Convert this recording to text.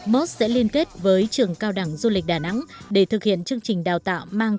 mốt sẽ liên kết với trường cao đẳng du lịch đà nẵng để thực hiện chương trình đào tạo